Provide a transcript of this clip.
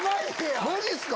マジっすか⁉